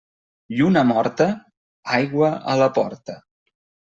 Lluna morta, aigua a la porta.